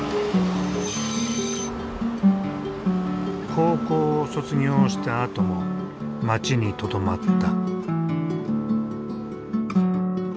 高校を卒業したあとも町にとどまった。